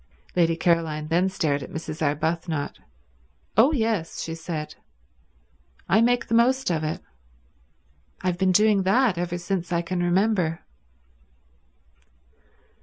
Lady Caroline then stared at Mrs. Arbuthnot. "Oh yes," she said. "I make the most of it. I've been doing that ever since I can remember."